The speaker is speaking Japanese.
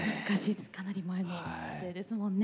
かなり前の撮影ですもんね。